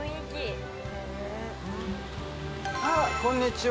こんにちは。